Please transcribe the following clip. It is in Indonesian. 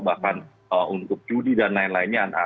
bahkan untuk judi dan lain lainnya